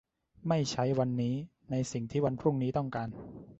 ไม่ใช้วันนี้ในสิ่งที่วันพรุ่งนี้ต้องการ